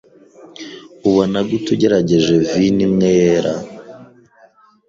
Ubona gute ugerageje vino imwe yera?